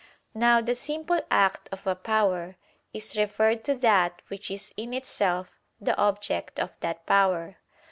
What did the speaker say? Now the simple act of a power is referred to that which is in itself the object of that power.